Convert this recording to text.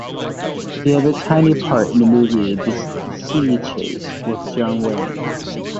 He had a tiny part in the movie "The Sea Chase" with John Wayne.